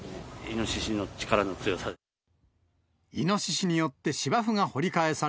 イノシシの力の強さ。